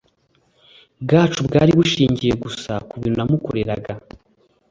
bwacu bwari bushingiye gusa ku bintu namukoreraga